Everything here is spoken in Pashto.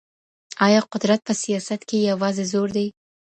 ایا قدرت په سیاست کې یوازې زور دی؟